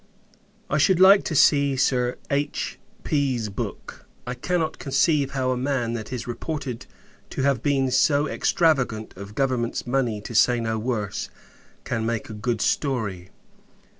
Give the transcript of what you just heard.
I should like to see Sir H P 's book. I cannot conceive how a man that is reported to have been so extravagant of government's money, to say no worse, can make a good story.